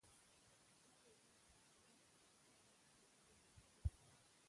لا یې منځ د شنه ځنګله نه وو لیدلی